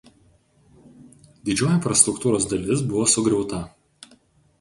Didžioji infrastruktūros dalis buvo sugriauta.